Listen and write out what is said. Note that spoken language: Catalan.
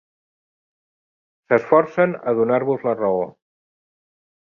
S'esforcen a donar-vos la raó.